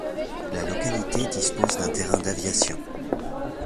La localité dispose d'un terrain d'aviation.